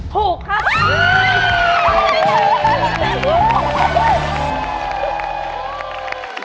ถูกครับ